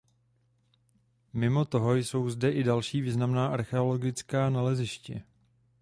Mimo toho jsou zde i další významná archeologická naleziště.